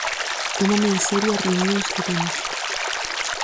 Tómome a serio as reunións que temos.